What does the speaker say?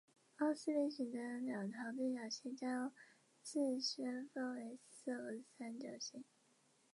凸四边形的两条对角线将自身分成四个三角形。